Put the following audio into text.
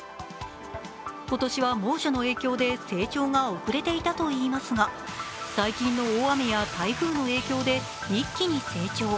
今年は猛暑の影響で、成長が遅れていたといいますが最近の大雨や台風の影響で一気に成長。